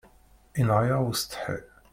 Inɣa-yaɣ usetḥi.